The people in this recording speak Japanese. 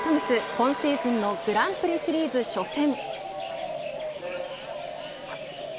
今シーズンのグランプリシリーズ初戦。